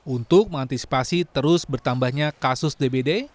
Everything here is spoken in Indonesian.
untuk mengantisipasi terus bertambahnya kasus dbd